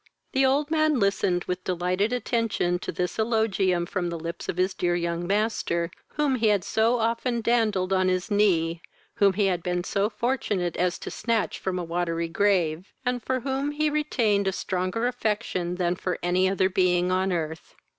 The old man listened with delighted attention to this eulogium from the lips of his dear young master, whom he had so often dandled on his knee, whom he had been so fortunate as to snatch from a watery grave, and for whom he retained a stronger affection than for any other being on earth.